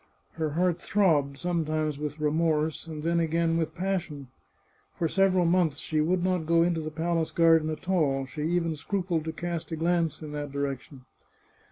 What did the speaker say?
Her heart throbbed, sometimes with remorse, and then again with passion. For several months she would not go into the palace garden at all ; she even scrupled to cast a glance in that direction.